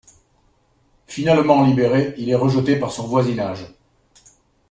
Finalement libéré, il est rejeté par son voisinage.